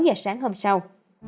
hẹn gặp lại